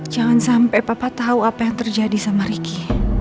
jangan sampe papa tau apa yang terjadi sama riki